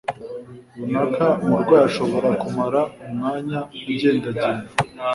runaka Umurwayi ashobora kumara umwanya agendagenda